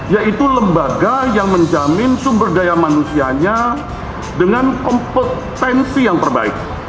yaitu lembaga yang menjamin sumber daya manusianya dengan kompetensi yang terbaik